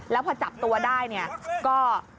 แล้วพอจับตัวได้เนี่ยก็